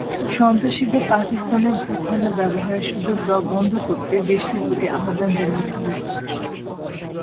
সন্ত্রাসীদের পাকিস্তানের ভূখণ্ড ব্যবহারের সুযোগ দেওয়া বন্ধ করতে দেশটির প্রতি আহ্বান জানিয়েছে যুক্তরাষ্ট্র।